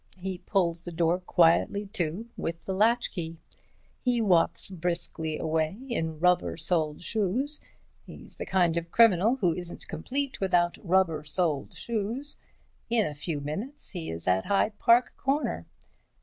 He pulls the door quietly to with the latchkey. He walks brisky away in rubber soled shoes—he's the kind of criminal who isn't complete without rubber soled shoes. In a few minutes he is at Hyde Park Corner.